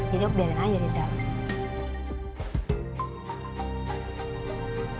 jadi aku biarin aja di dalam